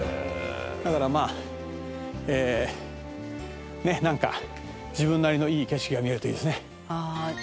だからまあなんか自分なりのいい景色が見えるといいですね。